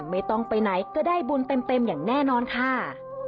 ไม่ต้องไปไหนก็ได้บุญเต็มอย่างแน่นอนค่ะ